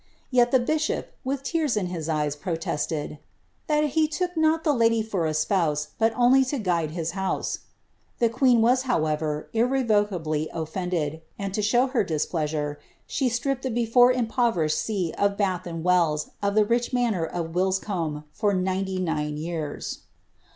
Yet the bishop, with tears in his eyes, protested '' that he took not the lady for a spouse, but only to guide his house." The queen was, however, irrevocably ofiendecl, and, to show her displeasure, she stripped the before impo« verished see of Bath and Weils of the rich manor of Wilscombe for ninety nine years.